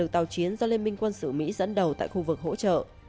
tàu chiến do liên minh quân sự mỹ dẫn đầu tại khu vực hỗ trợ